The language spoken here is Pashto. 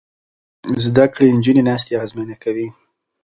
زده کړې نجونې ناستې اغېزمنې کوي.